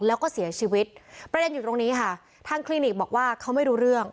แล้วก็เสียชีวิตประเด็นอยู่ตรงนี้ค่ะทางคลินิกบอกว่าเขาไม่รู้เรื่อง